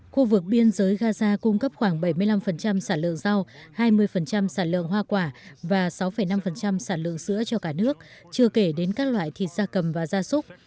khu vực biên giới gaza cung cấp khoảng bảy mươi năm sản lượng rau hai mươi sản lượng hoa quả và sáu năm sản lượng sữa cho cả nước chưa kể đến các loại thịt da cầm và gia súc